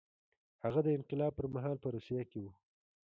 هغه د انقلاب پر مهال په روسیه کې و